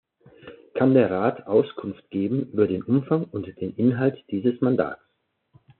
Kann der Rat Auskunft geben über den Umfang und den Inhalt dieses Mandats?